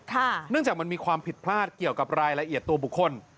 เนื่องจากมันมีความผิดพลาดเกี่ยวกับรายละเอียดตัวบุคคล